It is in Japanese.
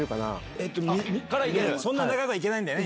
そんな長くはいけないんだよね？